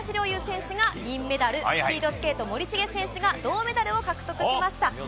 侑選手が銀メダル、スピードスケート、森重選手が銅メダルを獲得しました。